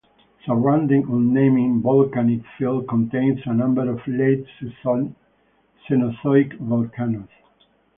Surrounding Unnamed volcanic field contains a number of late-Cenozoic volcanoes.